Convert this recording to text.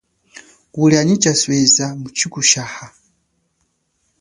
Kulia nyi chasweza, muchikushaha.